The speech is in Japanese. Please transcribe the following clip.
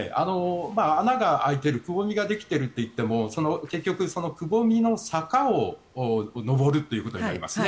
穴が開いているくぼみができているといっても結局、そのくぼみの坂を上るということになりますね。